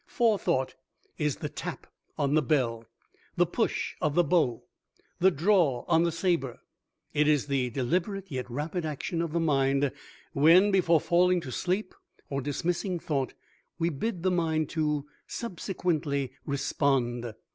Forethought is the tap on the bell, the push of the bow, the draw on the saber. It is the deliberate yet rapid action of the mind when before falling to sleep or dismissing thought we bid the mind to subsequently respond.